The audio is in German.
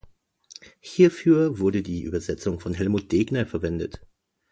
Hierfür wurde die Übersetzung von Helmut Degner verwendet.